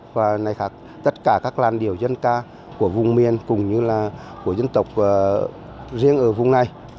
và này khác tất cả các làn điệu dân ca của vùng miền cũng như là của dân tộc riêng ở vùng này